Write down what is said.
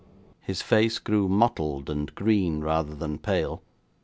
His face grew mottled and green rather than pale.